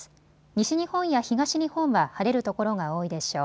西日本や東日本は晴れる所が多いでしょう。